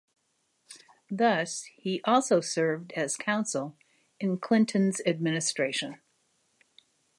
Thus, he also served as counsel in Clinton's administration.